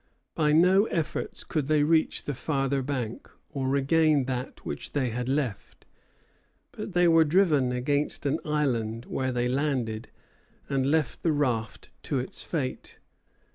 By no efforts could they reach the farther bank, or regain that which they had left; but they were driven against an island, where they landed, and left the raft to its fate.